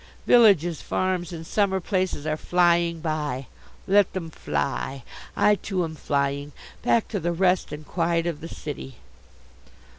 Villages, farms and summer places are flying by. Let them fly. I, too, am flying back to the rest and quiet of the city.